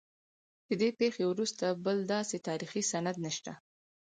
له دې پیښې وروسته بل داسې تاریخي سند نشته.